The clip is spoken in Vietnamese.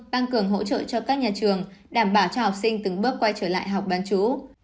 tăng cường hỗ trợ cho các nhà trường đảm bảo cho học sinh từng bước quay trở lại học bán chú